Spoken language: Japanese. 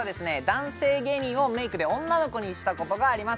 男性芸人をメイクで女の子にしたことがあります